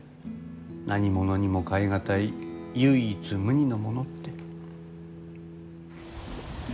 何物にも代え難い唯一無二のものって。